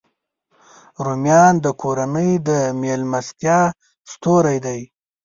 رومیان د کورنۍ د میلمستیا ستوری دی